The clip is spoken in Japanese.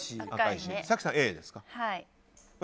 早紀さん、Ａですか。